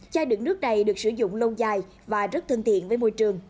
chai đựng nước này được sử dụng lâu dài và rất thân thiện với môi trường